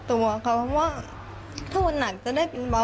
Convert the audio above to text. ประตู๓ครับ